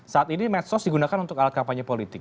saat ini medsos digunakan untuk alat kampanye politik